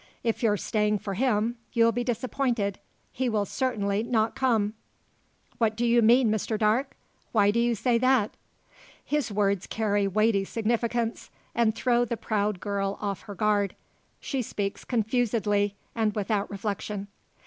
If you're staying for him you'll be disappointed; he will certainly not come." "What mean you, Mr Darke? Why do you say that?" His words carry weighty significance, and throw the proud girl off her guard. She speaks confusedly, and without reflection.